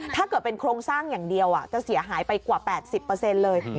ถ้าเกิดเป็นโครงสร้างอย่างเดียวจะเสียหายไปกว่า๘๐เลย